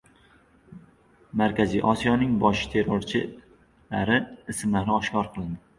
Markaziy Osiyoning bosh terrorchilari ismlari oshkor qilindi